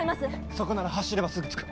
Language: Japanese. そこなら走ればすぐ着く。